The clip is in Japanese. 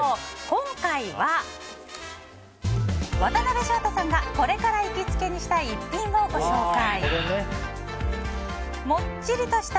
今回は、渡辺翔太さんがこれから行きつけにしたい逸品をご紹介。